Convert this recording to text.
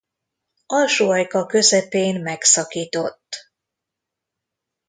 Alsó ajka középen megszakított.